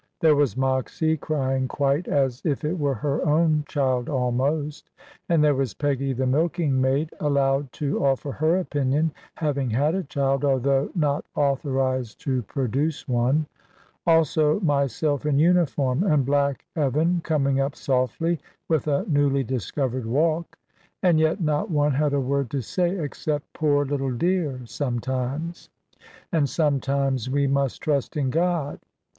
There was Moxy, crying quite as if it were her own child almost; and there was Peggy the milking maid, allowed to offer her opinion (having had a child, although not authorised to produce one); also myself in uniform, and Black Evan coming up softly, with a newly discovered walk. And yet not one had a word to say except "poor little dear!" sometimes; and sometimes, "we must trust in God."